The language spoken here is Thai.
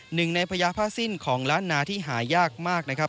หนึ่งในพญาผ้าสิ้นของล้านนาที่หายากมากนะครับ